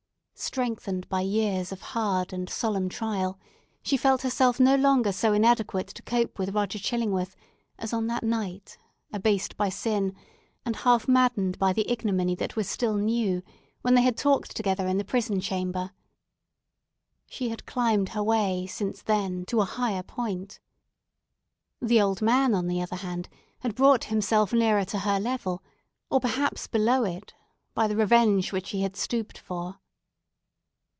Strengthened by years of hard and solemn trial, she felt herself no longer so inadequate to cope with Roger Chillingworth as on that night, abased by sin and half maddened by the ignominy that was still new, when they had talked together in the prison chamber. She had climbed her way since then to a higher point. The old man, on the other hand, had brought himself nearer to her level, or, perhaps, below it, by the revenge which he had stooped for.